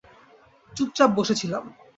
চুপচাপ বসে ছিলাম।